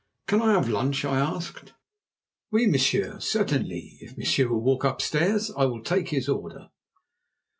"Can I have lunch?" I asked. "Oui, monsieur! Cer tain lee. If monsieur will walk upstairs I will take his order."